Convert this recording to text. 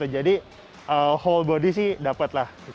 jadi whole body sih dapat